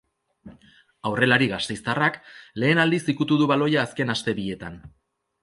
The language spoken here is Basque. Aurrelari gasteiztarrak lehen aldiz ikutu du baloia azken aste bietan.